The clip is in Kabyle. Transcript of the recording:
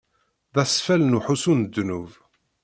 D asfel n uḥussu n ddnub.